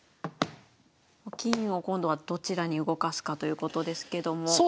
金を今度はどちらに動かすかということですけども。